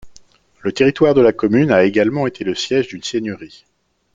Le territoire de la commune a également été le siège d'une seigneurie.